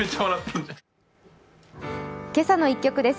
「けさの１曲」です。